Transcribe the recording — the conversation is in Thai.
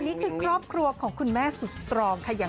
นี่คือครอบครัวของคุณแม่สุดสตรองค่ะ